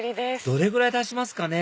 どれぐらいたちますかね？